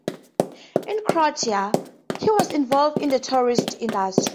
In Croatia, he was involved in the tourist industry.